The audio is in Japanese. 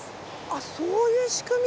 あっそういう仕組み。